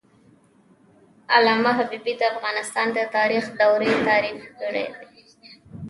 علامه حبيبي د افغانستان د تاریخ دورې تعریف کړې دي.